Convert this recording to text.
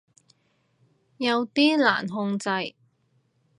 有啲難控制